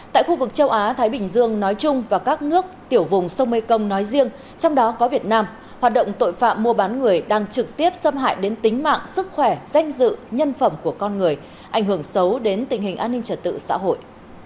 tại khu vực châu á thái bình dương nói chung và các nước tiểu vùng sông mekong nói riêng trong đó có việt nam hoạt động tội phạm mua bán người đang trực tiếp xâm hại đến tính mạng sức khỏe danh dự nhân phẩm của con người ảnh hưởng xấu đến tình hình an ninh trật tự xã hội